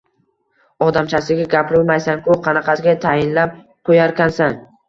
– Odamchasiga gapirolmaysan-ku, qanaqasiga tayinlab qo‘yarkansan?